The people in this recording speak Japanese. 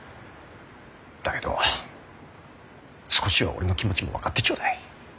だけど少しは俺の気持ちも分かってちょうだい。